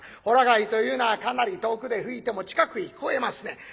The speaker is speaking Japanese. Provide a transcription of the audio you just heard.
ほら貝というのはかなり遠くで吹いても近くに聞こえますね。